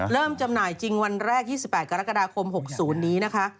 จำหน่ายจริงวันแรก๒๘กรกฎาคม๖๐นี้นะคะ